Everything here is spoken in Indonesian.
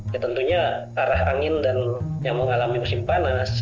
ya tentunya arah angin dan yang mengalami musim panas